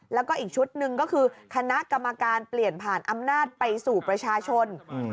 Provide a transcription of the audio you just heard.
แล้วก็อีกชุดหนึ่งก็คือคณะกรรมการเปลี่ยนผ่านอำนาจไปสู่ประชาชน